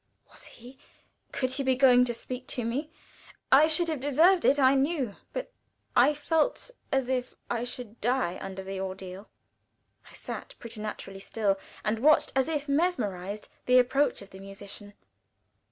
Was he, could he be going to speak to me? I should have deserved it, I knew, but I felt as if I should die under the ordeal. I sat preternaturally still, and watched, as if mesmerized, the approach of the musician.